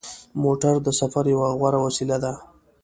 موټر د سفر یوه غوره وسیله ده.